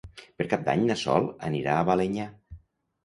Per Cap d'Any na Sol anirà a Balenyà.